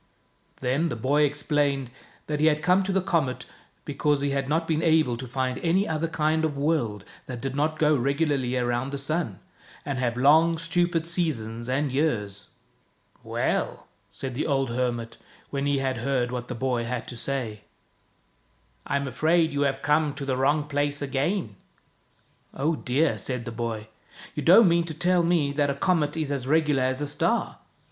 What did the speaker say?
Then the boy explained that he had come to the comet because he had not been able to find any other kind of world that did not go regularly around the sun, and have long, stupid seasons and years. " Well," said the old hermit, when he had heard 72 He found a hermit Page J2 \ THE BOY WHO WENT OUT OF THE WORLD what the boy had to say, "I'm afraid you have come to the wrong place again." " Oh, dear! " said the boy. "You don't mean to tell me that a comet is as regular as a star.